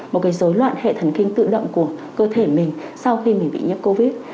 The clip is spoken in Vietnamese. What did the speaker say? một rối loạn hệ thần kinh tự động của cơ thể mình sau khi mình bị nhiễm covid